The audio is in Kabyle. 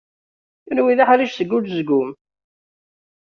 Kenwi d aḥric seg unezgum.